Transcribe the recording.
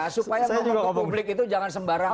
supaya ke publik itu jangan sembarangan